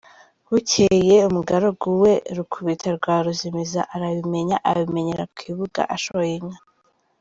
Bukeye umugaragu we Rukubita rwa Ruzimiza arabimenya; abimenyera ku ibuga ashoye inka.